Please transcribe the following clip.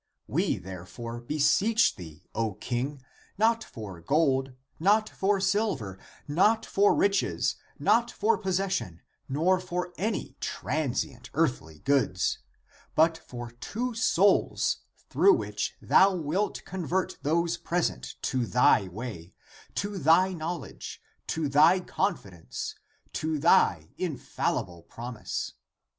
We therefore beseech thee, O King, not for 140 THE APOCRYPHAL ACTS gold, not for silver, not for riches, not for posses sion, nor for any transient, earthly gpods, but for two souls through which thou wilt convert those present to thy way, to thy knowledge, to thy confi dence, and to thy infallible promise.